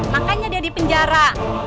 makanya dia dipenjara